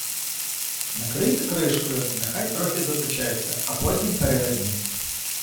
Накрийте кришкою, нехай трохи запечеться, а потім переверніть.